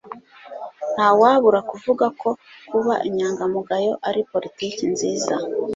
Ntawabura kuvuga ko kuba inyangamugayo ari politiki nziza